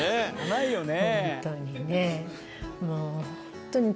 「ないよね」